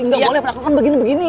nggak boleh berlakon begini beginian